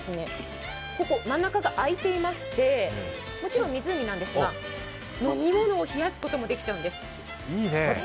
真ん中が開いていまして、もちろん湖なんですが、飲み物を冷やすこともできるんです。